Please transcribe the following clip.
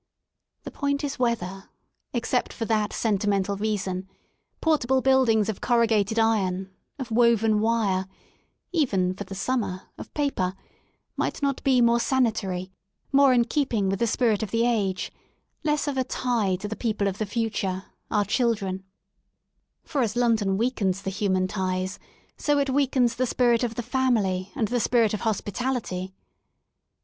The point is whether, except for that sentimental reason, portable buildings of corrugated iron, of woven wire — even for the summer, of paper — might not be more sanitary, more in keeping with the spirit of the age, less of a tie to the people of the future, our children ; for as London weakens the human ties, so it weakens the spirit of the family and the spirit of hospitality.